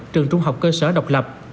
trường trung học cơ sở độc lập